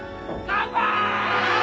乾杯！